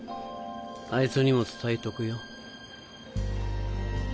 あいつにも伝えとくよ。